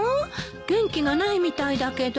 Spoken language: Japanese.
元気がないみたいだけど。